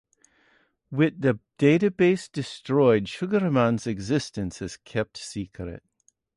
With the database destroyed, Sugar Man's existence is kept secret.